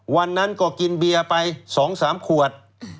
วันนั้นก็กินเบียร์ไป๒๓ขวด